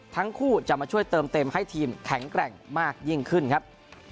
ทั้งคู่จะมาช่วยเติมเต็มให้ทีมแข็งแกร่งมากยิ่งขึ้นครับ